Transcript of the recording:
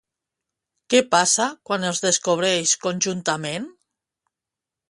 Què passa quan els descobreix conjuntament?